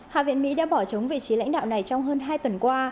hạ viện mỹ đã bỏ chống vị trí lãnh đạo này trong hơn hai tuần qua